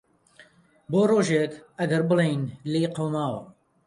بۆ رۆژێک ئەگەر بڵێن لیێ قەوماوە.